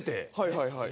はいはい。